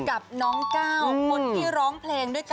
กับน้องก้าวคนที่ร้องเพลงด้วยกัน